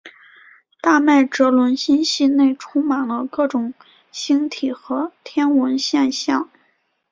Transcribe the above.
大麦哲伦星系内充满了各种星体和天文现象。